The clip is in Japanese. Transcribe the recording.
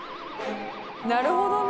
なるほどね。